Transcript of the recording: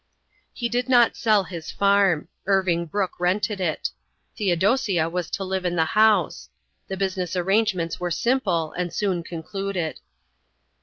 He did not sell his farm. Irving Brooke rented it. Theodosia was to live in the house. The business arrangements were simple and soon concluded.